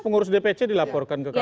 pengurus dpc dilaporkan ke kpk